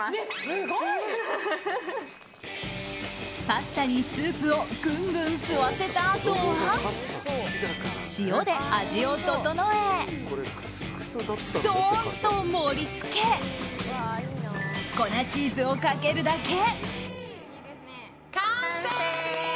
パスタにスープをぐんぐん吸わせたあとは塩で味を調えドーンと盛り付け粉チーズをかけるだけ。